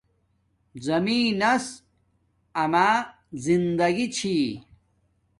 زمین نس اما زندگی چھی